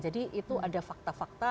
jadi itu ada fakta fakta